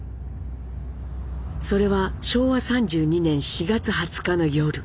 それは昭和３２年４月２０日の夜。